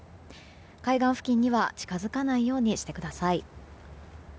海岸付近には近づかないようにしてください。